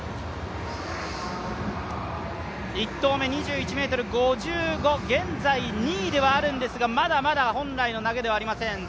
１投目、２１ｍ５５、現在２位ではあるんですがまだまだ本来の投げではありません。